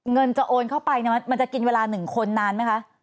เงินจะโอนเข้าไปมันจะกินเวลา๑คนนานไหมคะ